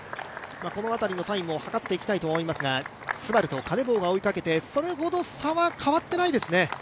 この辺りのタイムも測っていきたいと思いますがＳＵＢＡＲＵとカネボウが追いかけて、それほど差は変わっていないですね